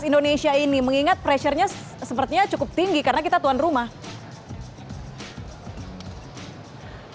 indonesia ini mengingat pressure nya sepertinya cukup tinggi karena kita tuan rumah